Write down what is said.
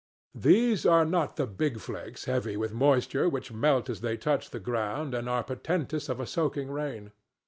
These are not the big flakes heavy with moisture which melt as they touch the ground and are portentous of a soaking rain.